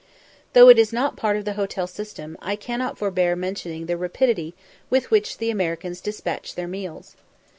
Though it is not part of the hotel system, I cannot forbear mentioning the rapidity with which the Americans despatch their meals.